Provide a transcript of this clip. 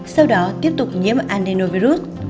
sau đó tiếp tục nhiễm adenovirus